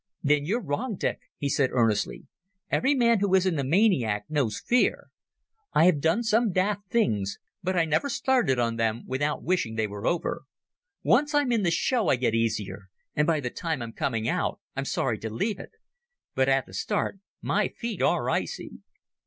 "There you're wrong, Dick," he said earnestly. "Every man who isn't a maniac knows fear. I have done some daft things, but I never started on them without wishing they were over. Once I'm in the show I get easier, and by the time I'm coming out I'm sorry to leave it. But at the start my feet are icy."